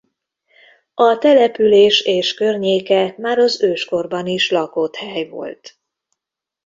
A település és környéke már az őskorban is lakott hely volt.